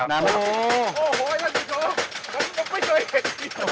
น้ำน้ำชุบ